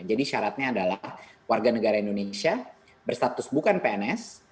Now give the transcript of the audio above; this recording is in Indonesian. jadi syaratnya adalah warga negara indonesia berstatus bukan pns